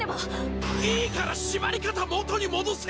いいから縛り方元に戻せよ！